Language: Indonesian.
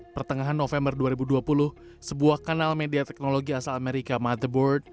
pertengahan november dua ribu dua puluh sebuah kanal media teknologi asal amerika motherboard